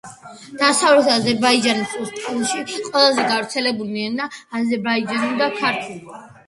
დასავლეთი აზერბაიჯანის ოსტანში ყველაზე გავრცელებული ენაა აზერბაიჯანული და ქურთული.